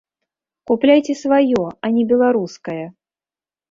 Купляйце сваё, а не беларускае!